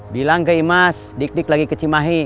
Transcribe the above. bilang ke imas dikdik lagi ke cimahi